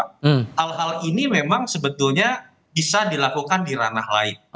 hal hal ini memang sebetulnya bisa dilakukan di ranah lain